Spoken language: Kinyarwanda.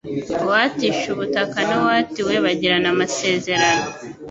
uwatisha ubutaka n uwatiwe bagirana amasezerano